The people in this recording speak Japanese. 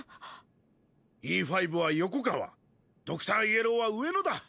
Ｅ５は横川ドクターイエローは上野だ。